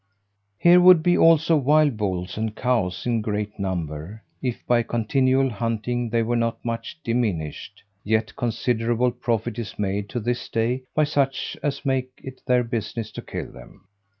Here would be also wild bulls and cows in great number, if by continual hunting they were not much diminished; yet considerable profit is made to this day by such as make it their business to kill them.